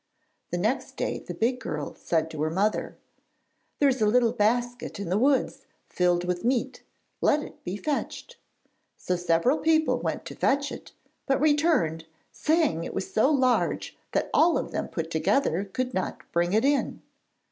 The next day the big girl said to her mother, 'There is a little basket in the woods, filled with meat. Let it be fetched.' So several people went to fetch it, but returned, saying it was so large that all of them put together could not bring it in.